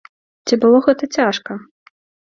Ці было гэта цяжка?